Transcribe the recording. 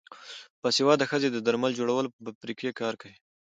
باسواده ښځې د درمل جوړولو په فابریکو کې کار کوي.